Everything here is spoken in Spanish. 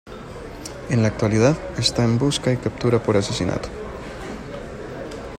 En la actualidad, está en busca y captura por asesinato.